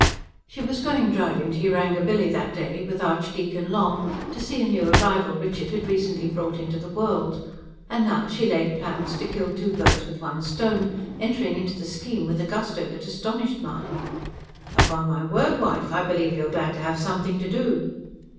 She was going driving to Yarangobilly that day with Archdeacon Long to see a new arrival Richard had recently brought into the world; and now she laid plans to kill two birds with one stone, entering into the scheme with a gusto that astonished Mahony. "Upon my word, wife, I believe you're glad to have something to do."